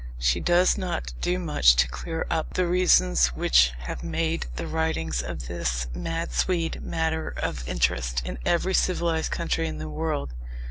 She does not do much to clear up the reasons which have made the writings of this mad Swede matter of interest in every civilized country in the world.